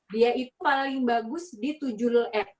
dia itu paling bagus di tujuh lap